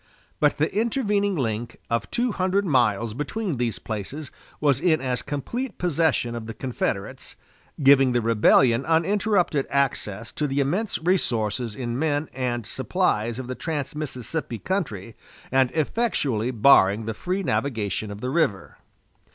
But the intervening link of two hundred miles between these places was in as complete possession of the Confederates, giving the rebellion uninterrupted access to the immense resources in men and supplies of the trans Mississippi country, and effectually barring the free navigation of the river.